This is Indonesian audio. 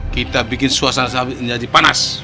kita bikin suasana jadi panas